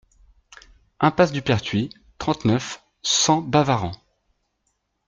Impasse du Pertuis, trente-neuf, cent Baverans